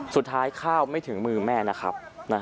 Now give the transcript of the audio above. สุดท้ายข้าวไม่ถึงมือแม่นะครับ